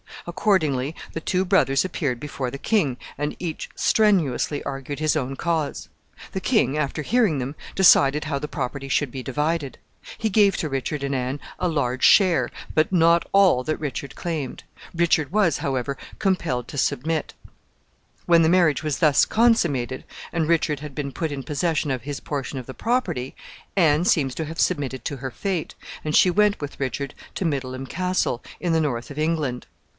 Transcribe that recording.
Accordingly, the two brothers appeared before the king, and each strenuously argued his own cause. The king, after hearing them, decided how the property should be divided. He gave to Richard and Anne a large share, but not all that Richard claimed. Richard was, however, compelled to submit. [Illustration: MIDDLEHAM CASTLE.] When the marriage was thus consummated, and Richard had been put in possession of his portion of the property, Anne seems to have submitted to her fate, and she went with Richard to Middleham Castle, in the north of England.